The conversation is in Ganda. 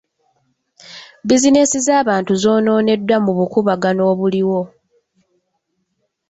Bizinensi z'abantu zoonooneddwa mu bukuubagano obuliwo.